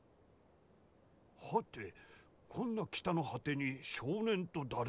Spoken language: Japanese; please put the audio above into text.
はてこんな北の果てに少年とだるまとは？